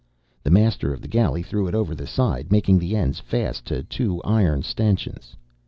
The master of the galley threw it over the side, making the ends fast to two iron stanchions.